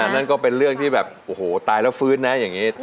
นั่นก็เป็นเรื่องที่แบบโอ้โหตายแล้วฟื้นนะอย่างนี้